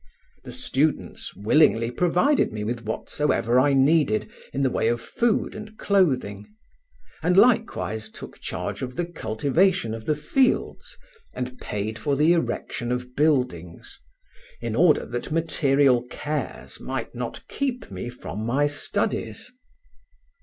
The students willingly provided me with whatsoever I needed in the way of food and clothing, and likewise took charge of the cultivation of the fields and paid for the erection of buildings, in order that material cares might not keep me from my studies.